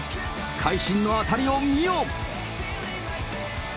会心の当たりを見よ！